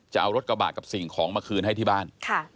จะเอารถกระบะกับสิ่งของมาคืนให้ที่บ้าน